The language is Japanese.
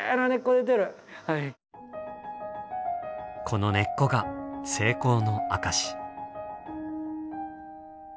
この根っこが成功の証し。